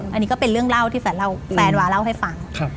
อันนี้ก็เป็นเรื่องเล่าที่แฟนเล่าแฟนวาเล่าให้ฟัง